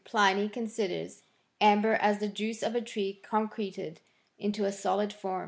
Pliny considers amber as the juice of a tree concreted into a solid form.